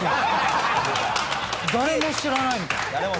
誰も知らないみたいな。